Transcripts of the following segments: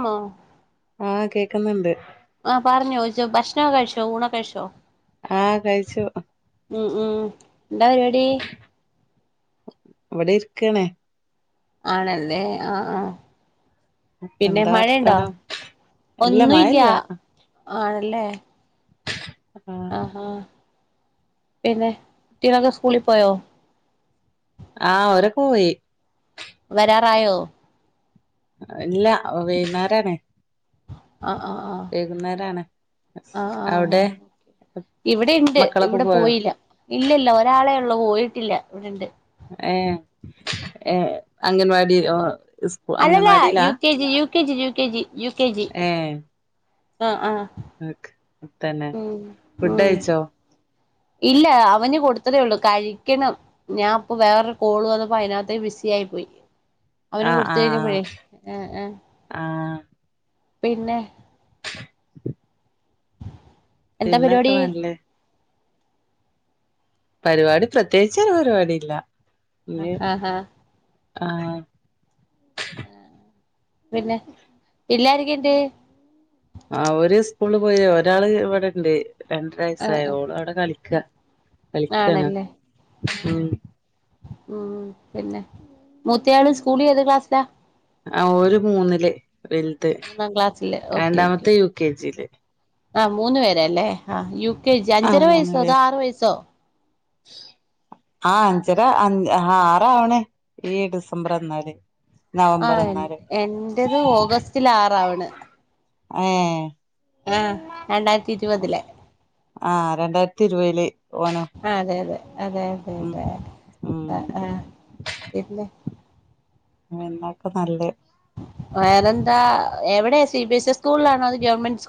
ആ ആ കേക്കുന്നുണ്ട് ആ പറഞ്ഞോ ജോ ഭക്ഷണൊക്കെ കഴിച്ചോ ഊണൊക്കെ കഴിച്ചോ ആ കഴിച്ചു ഉം ഉം എന്താ പരിപാടി ഇവിടെ ഇരിക്കാണ് ആണല്ലേ ആ ആ പിന്നെ എന്താ മഴയുണ്ടോ വർത്താനം ഇല്ല ഒന്നുംല്ല മഴല്ല ആ അല്ലേ ആ പിന്നെ കുട്ടിയോളൊക്കെ സ്കൂളിൽ പോയോ ആ ഓരൊക്കെ പോയി വരാറായോ ഇല്ല വൈന്നരാണേ ആ ആ ആ ആ ആ് അവിടെ ഇവിടെ ഇണ്ട് മക്കളൊക്കെ ഇവിടെ പോയോ പോയില്ല ഇല്ലല്ല ഒരാളെ ള്ളൂ പോയിട്ടില്ല ഇവിടെണ്ട് ഏ ഏ അംഗൻവാടിയിലോ അല്ലല്ല U K G U K G U K G U K G ഏഹ് ആ ആ ഓക്കെ തന്നെ ഉം ഫുഡ് ഉം കഴിച്ചോ ഇല്ല അവന് കൊടുത്തതേള്ളു കഴിക്കണം ഞാൻ ഇപ്പൊ വേറൊരു കോള് വന്നപ്പോ അതിനകത്തേ ബിസി ആയി പോയി അവന് ആഹ് ആഹ് കൊടുത്തഴിഞ്ഞപ്പഴേ ആ ആ ആഹ് പിന്നെ എന്താ പിന്നൊക്കെ പരിപാടി നല്ലഹ് പരിപാടി പ്രത്യേകിച്ചൊരു പരിപാടി ഇല്ല ആ ഹാ ആ ആ പിന്നെ പിള്ളേരെക്കെ എന്തേ ആ ഓര് സ്കൂള് പോയി ഒരാള് ഇവിടെണ്ട് രണ്ടര ആഹ് വയസ്സായേ ആഹ് ഓളവിടെ കളിക്ക കളിക്കാണ് ആണല്ലേ ഉം ഉം പിന്നെ മൂത്തയാള് സ്കൂളില് ഏത് ക്ലാസ്സിലാ ആ ഓര് മൂന്നില് വലുത് മൂന്നാം ക്ലാസ്സില് ഓക്കെ ഓക്കെ രണ്ടാമത്തെ യു കെ ജിയില് ആ മൂന്ന് പേരാല്ലേ ആ യു കെ ജി അഞ്ചര വയസ്സോ അതോ ആറ് വയസ്സോ ആ അഞ്ചര അഞ് ആ ആറാവണ് ഈ ഡിസംബർ വന്നാല് ആ നവംബർ വന്നാല് എന്റത് ഓഗസ്റ്റില ആറാവണ് ഏഹ് ഏ രണ്ടായിരത്തി ഇരുപതിലെ ആ രണ്ടായിരത്തി ഇരുവയില് ആ അതെ അതെ അതെ അതെ ഉം അതെ അ ഏ ഉം പിന്നെ എന്നാപ്പോ നല്ലഹ് വേറെ എന്താ എവിടെയാ സി ബി എസ് ഇ സ്കൂളിലാണോ അത് ഗവൺമെന്റ് സ്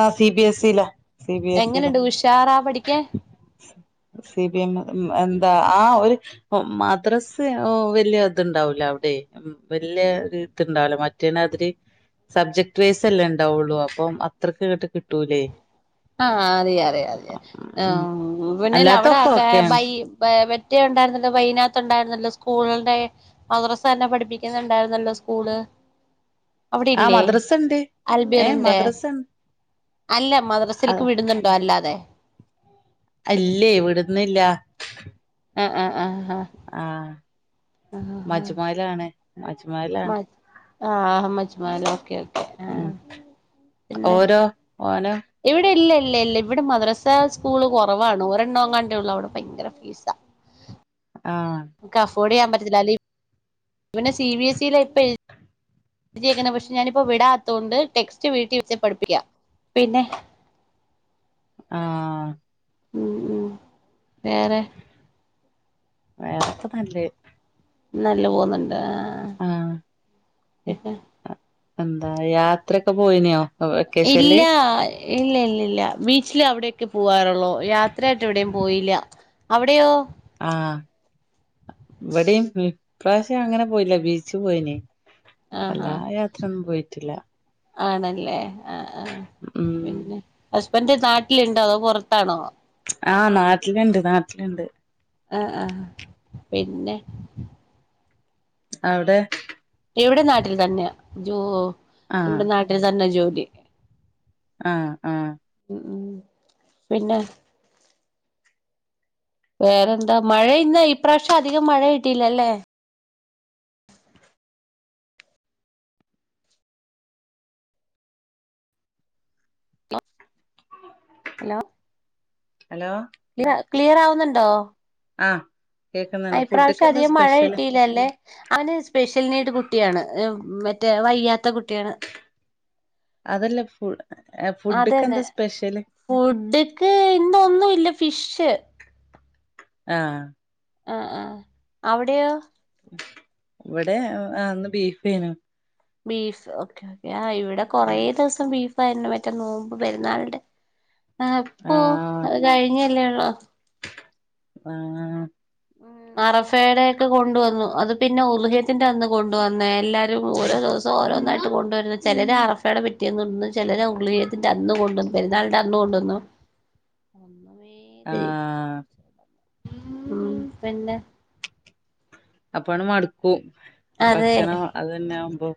ആ സി ബി എസ് ഇയില സി ബി എസ് ഇയില എങ്ങനെയുണ്ട് ഉഷാറാ പഠിക്കാൻ സി ബി എം എന്താ ആ ഒരു മദ്രസ് വലിയ ഇത്ണ്ടാവൂല അവിടെ വലിയൊരു ഇത്ണ്ടാവൂല മറ്റേന്റെമാതിരി സബ്ജക്ട് വേസ് അല്ലെ ഇണ്ടാവുള്ളു അപ്പം അത്രക്കിങ്ങട്ട് കിട്ടൂലേ ആ അതെ അതെ അതെ ആ ഉം പിന്നെല്ല അല്ലാത്തൊക്കെ അവിടക്കെ ഓക്കെയാണ് ബൈ ബ് വെ റ്റെ ഉണ്ടായിരുന്നല്ലോ വൈനാത്ത് ഉണ്ടായിരുന്നല്ലോ സ്കൂളിടെ മദ് നല്ല പഠിപ്പിക്കുന്നുണ്ടായിരുന്നല്ലോ സ്കൂ കൂടെ അവിടെ ആ ഇല്ലേ മദ്രസ ഉണ്ട് ഏ അൽബീറിന്റെ അല്ല മദ്ര അത ഇല്ലേ ഇവിടന്നില്ല ആ ആ ആ ആ ആ ആ മജ്മലാണ് ആഹ് മജ്മാല ഓക്കെ ഓക്കെ ആ ഉം പിന്നെ ഓരോ ഓനോ ഇവിടെ ഇല്ല ഇല്ല ഇല്ല ഇവിടെ മദ്രസ സ്കൂള് കുറവാണ് ഒരെണ്ണോകാണ്ടേ ഉള്ളൂ അവിടെ ഭയങ്കര ഫീസ ആ ടെയ്യാൻ പറ്റത്തില്ല അല്ലേ ഇന്നെ സി ബി എസ് ഇയില ഇപ്പ ക്ക്ണ പക്ഷെ ഞാൻ വിടാത്തൊണ്ട് ടെക്സ്റ്റ് വീട്ടിൽ വെച്ച് പഠിപ്പിക്ക പിന്നെ ആ ഉ ഉ വേറെ വേറെക്കെ നല്ലേ നല്ല പോകുന്നുണ്ട് ആ പിന്നെ എന്താ യാത്ര പോയിനോ വെക്കേഷനില് ഇല്ല ഇല്ല ഇല്ല ഇല്ല ബീച്ചില് അവിടെയൊക്കെ പോവാറുള്ളൂ യാത്ര ആയിട്ട് എവിടെയും പോയില്ല അവിടെയോ ആ ഇവിടെയും വിപ്രാവശ്യം അങ്ങനെ പോയില്ല ബീച്ച് പോയിനി ആഹ് അല്ല ആഹ് യാത്രന്ന പോയി ല്ല ആണല്ലേ ആ ആ ഉം പിന്നെ ന്റ് നാട്ടിലുണ്ടോ അതോ പുറത്താണോ ആഹ് നാട്ടിലുണ്ട് നാട്ടിലുണ്ട് ആഹ് പിന്നെ അവിടെ എവിടെ നാട്ട് ട്ടിൽ തന്നെയാ ജോ ആഹ് ഇവിടെ നാട്ടിൽ തന്നാ ജോലി ഇ ആഹ് ആ ഉം പിന്നെ വേറെന്താ മഴ ഇന്ന് ഇപ്രാവശ്യം അധികം മഴ കിട്ടീല്ലല്ലേ മ ഹലോ ഹലോ ക്ലിയർ ആവുന്നുണ്ടോ ആഹ് അ കേക്കുന്നുണ്ട് ഫുഡ്ക്ക് ഇപ്രാവശ്യം എന്താ അധികം മഴ സ്പെഷ്യല് കിട്ടിയില്ലല്ലേ അവന് സ്പെഷ്യൽ നീഡ് കുട്ടിയാണ് ഏ മറ്റേ വയ്യാത്ത കു ട്ടിയാണ് അതല്ല ഫു ഫുഡ്ക്ക് എന്താ അതന്നെ സ്പെഷ്യല് ഫുഡ്ക്ക്‌ ഇന്ന് ഒന്നും ഇല്ല ഫു ഫിഷ് ആഹ് ആ ആഹ് അവിടെയോ ഇവിടെ ആ ഇന്ന് ബീഫേനു ബീഫ് ഓക്കെ ഓക്കെ ആ ഇവി ടെ കൊറേ ആഹ് ദിവസം ബീഫ് ഫാരുന്നു മറ്റേ നോമ്പ് പെരുന്നാൾന്റെ ആ ഇപ്പോ അത് കഴിഞ്ഞല്ലേ ഉ ള്ളോ ആഹ് ഉം അറഫേടെ ഒക്കെ കൊണ്ടുവന്നു അത് പിന്നെ ഉള്ഹിയ്യത്തിന്റെ അന്ന് കൊണ്ട് വന്നേ എല്ലാരും ഓരോ ദിവസം ഓരോന്നായിട്ട് കൊണ്ടുവരുന്നെ ചിലര് അറഫേടെ പിറ്റേന്ന് കൊണ്ട്ന്ന് ചിലര് ആ ഉർളിഹേത്തിന്റെ അന്ന് കൊണ്ട് പെരുന്നാളിന്റെ അന്ന് കൊണ്ട് വന്നു ഒന്നുമേ ചെയ്യത്തില്ല ആഹ് [inaudible] മ്മ് പിന്നെ അപ്പാണ്ട് മടുക്കും അതെ ഭക്ഷണം അത് തന്നെ ആവുമ്പോ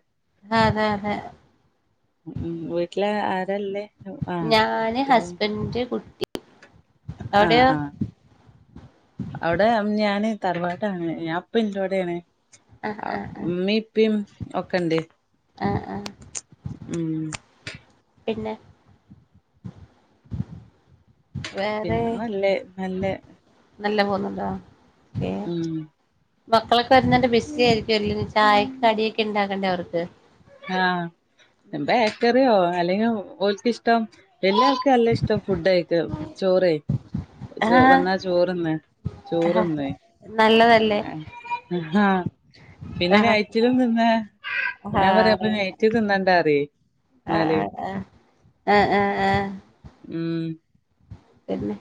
അതെ അതെ ഉം വീട്ടില് ആരാ ഇല്ലേ ഞാന് ഹസ്ബന്റ് കുട്ടി ആഹ് അവിടെയോ ആ അവിടെ ഉം ഞാന് തറവാടാണ് ഞാ ഇപ്പൊ ഇൻ്റോടെയാണ് ആ ഇമ്മിം ഇപ്പിം ഒക്കെണ്ട് ആ ആ ഉം പിന്നെ വേറെ പിന്നെ നല്ലേ നല്ലേ നല്ല പോന്നുണ്ടോ ഉം മക്കളൊക്കെ വരുന്നെന്റെ ബിസി ആയിരിക്കും അല്ലെ ചായക്ക് കടി ആ ബേക്കറിയോ അല്ലെങ്കിൽ ഓൽക്ക് ഇഷ്ടം എല്ലാവർക്കും അല്ലേ ഇഷ്ടം ഫുഡായിക്കാ ചോറ് ചോ വന്നാ ആഹ് ചോറ്ന്ന് ചോറ്ന്ന് നല്ലതല്ലേ പിന്നാ പിന്നാ ആഹ് നൈറ്റിലും തിന്നാ ഞാൻ പറയാ അപ്പൊ നൈറ്റ് തിന്നാണ്ട [unintelligible] ആഹ് ആഹ് ആഹ് ആഹ് ആഹ് ആഹ് ഉം പിന്നെ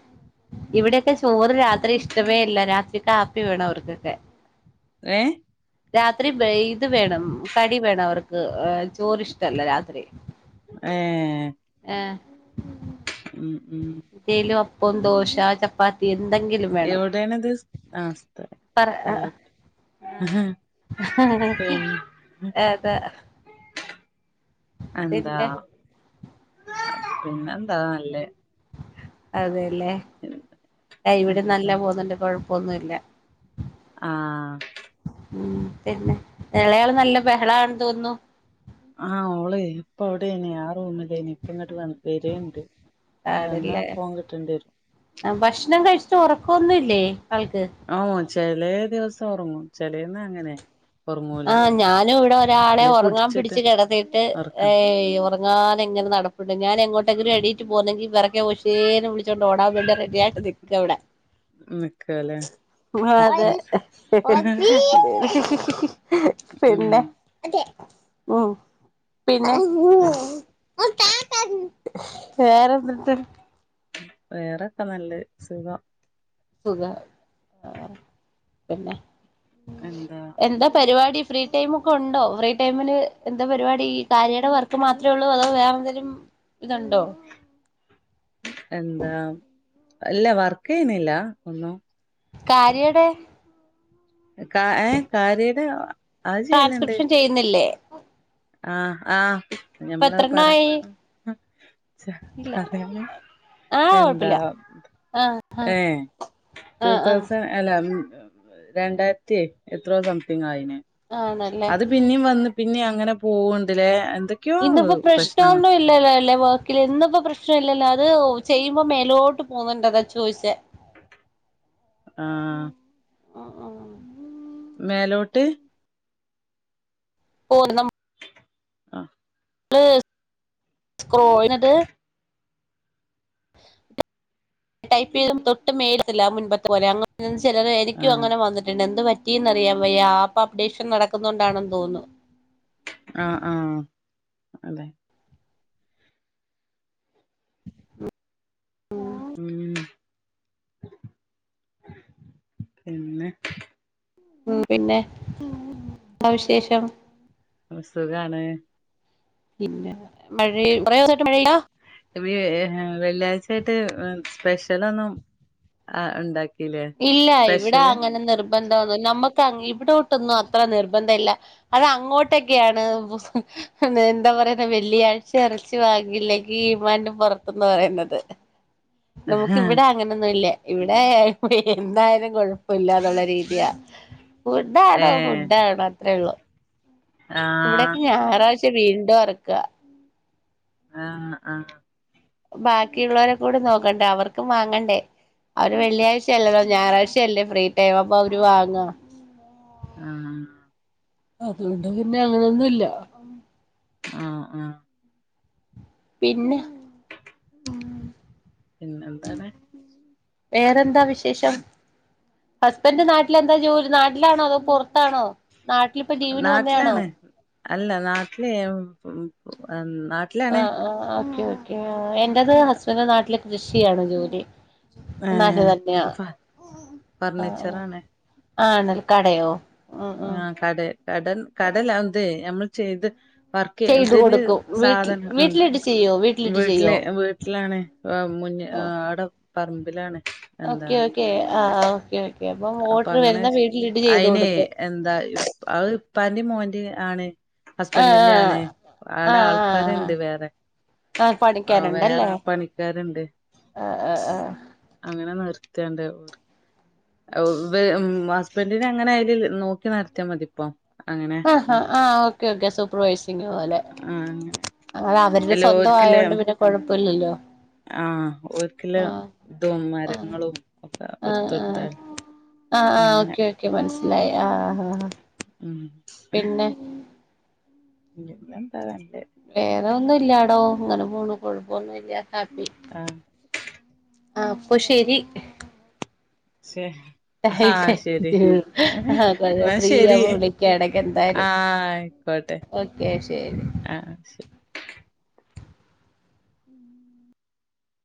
ഇവിടെയൊക്കെ ചോറ് രാത്രി ഇഷ്ടമേ ഇല്ല രാത്രി കാപ്പി വേണം അവർക്കൊക്കെ. ഏഹ് രാത്രി വയ് ഇത് വേണം കടി വേണം അവർക്ക് ചോറിഷ്ടല്ല രാത്രി ഏ ഈഹ് ഉം ഉം പ്പം ദോശ ചപ്പാത്തി എന്തെങ്കിലും വേണം എവിടെയാണിത് ആഹ് സ്ഥലം പിന്നെ ഏതാ എന്താ പിന്നെ എന്താ അല്ലേ അതെ ല്ലേ ആ ഇവിടെ നല്ല എന്താ പോകുന്നുണ്ട് കുഴ ഒന്നുല്ല ആഹ് ഉം പിന്നെ ഇളയാള് നല്ല ബഹളണ് തോന്നുന്നു. ആഹ് ഓള് ഇപ്പൊ അവിടെയന്നെ ആ റൂമി എനിക്ക് അന്നോട്ട് [unintelligible] വന്നാ ആണല്ലേ ഫോൺ കിട്ടേണ്ടി വരും ഭക്ഷണം കഴിച്ചട്ട് ഉറക്കൊന്നുംല്ലേ ആൾക്ക് ചേലെ ദിവസം ഉറങ്ങും ചേലെന്നാ അങ്ങനെ ഒറങ്ങൂല ആഹ് ഞാനും ഇവിടെ ഒരാളെ അല്ലെ ഉറങ്ങാൻ പുടിച്ചിട്ട് പിടിച്ച് കിടത്തിയിട്ട് ഒറക്കണ് ഹേയ് ഒറ ങ്ങാതെ ഇങ്ങനെ നടപ്പ്ണ്ട് ഞാനെങ്ങോട്ടെങ്കിലും എണീറ്റ് പോവുന്നെങ്കി പിറകെ ഉഷേന്ന് വിളി ച്ചോണ്ട് ഓടാൻ വേണ്ടി റെഡിയായ്ട്ട് നി എവടെ നിക്കല്ലേ [inaudible] ഉം പിന്നെ ഉം പിന്നെ പി വേറെ ന്ന്ട്ട് വേറൊക്കെ നല്ലത് സുഖം സുഖം ആ പിന്നെ എന്താ പരിപാടി ഫ്രീ ടൈമൊക്കെ ഉണ്ടോ ഫ്രീ ടൈമില് എന്താ പരിപാടി കാര്യയുടെ വർക്ക് മാത്രേ ഉള്ളൂ അതോ വേറെന്തേലും ഇതുണ്ടോ എന്താ ഇല്ല വർക്ക് ചെയ്യുന്നില്ല ഒന്നും- കാരിയെടെ കാ ഏ കാരിയെടെ - ട്രാൻസ്ക്രിപ്ഷൻ ചെയ്യുന്നില്ലേ ആഹ് ആഹ് ഇപ്പൊ ഞമ്മളത് പറയാ എത്രണ്ണായി [unintelligible] ഇല്ല പറയാന് ആഹ് എന്താ കൊഴപ്പില്ല ആഹ് ഏ ആഹ് ആഹ് ആഹ് റ്റുതൗസെൻഡ് രണ്ടായിരത്തി എത്രോ സംതിങ് ആയിന് ആണല്ലേ അത് പിന്നെയും വന്ന് പിന്നെ അങ്ങനെ [unintelligible] ഇന്നിപ്പോ പ്രശ്നങ്ങ പ്രശ്നൊന്നും ഇല്ലല്ലോ അല്ലേ ഇല്ല ഇന്നിപ്പോ പ്രശ്നം ഇല്ലല്ലോ അത് ചെയ്യുമ്പോ മേലോട്ട് പോവു ന്നുണ്ട് അതാ ചോദിച്ച് ആഹ് ആഹ് ആഹ് മേലോട്ട് [unintelligible] ആഹ് [unintelligible] ടൈപ്പ് ചെയ്ത തൊട്ടു മേല് ഉണ്ടാലോ ആ മുമ്പത്തെ പോലെ [unintelligible] [unintelligible] എനിക്കും ആഹ് അങ്ങനെ വന്നിട്ടുണ്ട് എന്ത് പ - പറ്റീന്ന് അറിയാൻ വയ്യ ആപ്പ് അപ്ഡേഷൻ നടക്കുന്നോണ്ടാണെന്ന് തോന്നുന്നു ആഹ് ആഹ് അതെ [inaudible] ഉം പിന്നെ ഉം പിന്നെ ന്താ വിശേഷം സുഖാണ്. പിന്നെ മഴയും, കുറേ ദിവസായിട്ട് മഴ ആഹ് വേ ഹ് ഹ് ഹെ വെള്ളിയാഴ്ചയായിട്ട് സ്പെഷ്യലൊന്നും ആഹ് ഉണ്ടാക് ഇല്ല യിവിടാങ്ങനെ നിർ ബന്ധോന്നു നമ്മക്ക് ആങ്ങീ ഇവിടോട്ടൊന്നും അത്രനിർബന്ധയില്ല. അത് അങ്ങോട്ടൊക്കെയാണ് മുസ് എന്താ പറയുന്ന വെള്ളിയാഴ്ചയിറച്ചി വാങ്ങിയില്ലെങ്കി ഇമാൻന് പുറ്ത്തെന്ന് പറയുന്നത്. ഏ ആഹ് നമുക്കിവിടെയങ്ങനെയൊന്നുല്ലേ ഇവിടേ എന്തായാലും കൊഴപ്പൊല്ലാന്നുള്ള രീതിയാ ഫുഡാണോ ഫുഡാണോ ത്രേള്ളൂ ഇവിടെയൊക്കെ ആഹ് ഞായറാഴ്ച് റ്റ് വീണ്ടൊറക്ക ആഹ് ആഹ് ബാക്കിയുള്ളവരെക്കൂടെ നോക്കണ്ടേ, അവർക്കും വാങ്ങണ്ടേ. അവര് വെള്ളിയാഴ്ചയല്ലല്ലോ ഞായറാഴ്ചയല്ലേ ഫ്രീ ടൈം, അപ്പൊ അവര് വാങ്ങാ ആഹ് അതുകൊണ്ട് പിന്നെ അങ്ങനെയൊന്നുല്ല ആഹ് ആഹ് പിന്നെ പിന്നെ എന്താണ്. വേറെന്താ വിശേഷം? ഹസ്ബൻഡ്, നാട്ടിലെന്താ ജോലി നാട്ടിലാണോ, അതോ പുറ ത്താണോ? നാട്ടിലിപ്പം ലീവിന് വന്നെയാണോ? നാട്ടിലാണ് അല്ല നാട്ടിലേ ഉം ഉം പം എ നാട്ടിലാണ് ക്കെ. എന്റത് ഹസ്ബൻഡ് നാട്ടില് കൃഷിയാണ് ജോലി. നാട്ടിൽ ഏഹ് തന്നെയാ ഫർ ഫർണിച്ചർ ആഹ് ആണ്. ആണൽ കടയോ ഉം ഉം ആഹ് കടേ കട കടല്ല ഇദേ ഞമ്മൾ ചെയ്ത് വർക്ക് ചെയ്തു ഇതിന് കൊടുക്കും വീട്ടിൽ സാധനം ഉം വീട്ടിലിട്ട് ചെയ്യോ വീട്ടിലിട്ട് ചെയ്യോ വീട്ടില് വീട്ടിലാണേ മുന്ന് ടെ പർമ്പിലാണ്. ഓക്കെയോക്കെ ആഹ് ഓക്കെയോക്കെ. ആഹ് അപ്പം അപ്പൊ ഓർഡർ അങ്ങനെ വരുന്ന വീട്ടിലിട്ട് ചെയ്തുകൊടുക്കും. പ്പാന്റിം മോൻ്റി ആണ്. ഹസ്ബൻഡിന്റെ ആണ്. അടെ ആഹ് ആഹ് ആഹ് ആൾക്കാര്ണ്ട് വേറെ. ആഹ് ആഹ് വേറെ പഠിക്കാനുണ്ടല്ലേ പണിക്കാര്ണ്ട്. ആഹ് ആഹ് ആഹ് അങ്ങനെ നിർ ക്കാ [unintelligible] രുണ്ട ഹസ്ബൻഡിന് അങ്ങനെ അതിൽ നോക്കി നടത്തിയാൽ മതി ഇപ്പൊ ആ ആ ഓക്കെയോക്കെ സൂപ്പർവൈസിംഗുപോലെ ആ അങ്ങനെ അവരുടെ സ്വന്തമായതുകൊണ്ട് പിന്നെ കൊഴ - ഇല്ലല്ലോ ആഹ് ഒരിക്കലും ഇതും ആഹ് മരങ്ങളും ഒക്കെ ആഹ് ആഹ് എടുത്തെടുത്ത ആഹ് ആഹ് അങ്ങനെ ഓക്കെ ഓക്കെ മനസ്സിലായി ആഹ് ആഹ് [unintelligible] പിന്നെ എന്തണ്ട [unintelligible] വേറെ ഒന്നും ഇല്ലാടോ ഇങ്ങനെ പോണു കുഴപ്പൊന്നുമില്ല. ഹാപ്പി. ആ ആഹ് അപ്പൊ ശരി. സെ ആ എന്നാ ശരി ഫ്രീയാുമ്പോ വിളിക്ക ഇടക്ക എന്തായാലും ആഹ് ആയിക്കോട്ടെ ഓക്കെ ശരി. ആഹ് ശരി [unintelligible]